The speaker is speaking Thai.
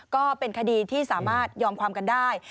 ก็เป็นคดีที่สามารถยอมความกันได้